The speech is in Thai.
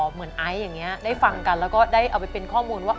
ไอซ์อย่างนี้ได้ฟังกันแล้วก็ได้เอาไปเป็นข้อมูลว่า